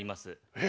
え？